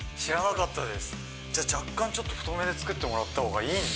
じゃあ、若干、ちょっと太めで作ってもらったほうがいいんだ。